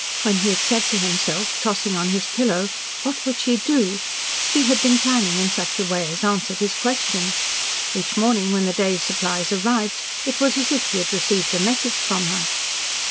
When he had said to himself, tossing on his pillow, "What would she DO?" she had been planning in such a way as answered his question. Each morning, when the day's supplies arrived, it was as if he had received a message from her.